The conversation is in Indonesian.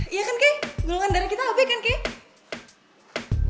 iya kan keh golongan darah kita ab kan keh